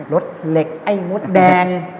รถเหล็กไอ้มดแดง